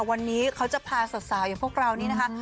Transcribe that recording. วันนี้เขาจะพาสาวอย่างพวกเรานี่นะคะ